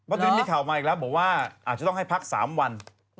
เพราะตอนนี้มีข่าวมาอีกแล้วบอกว่าอาจจะต้องให้พัก๓วัน